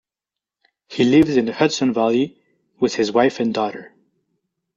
He lives in the Hudson Valley with his wife and daughter.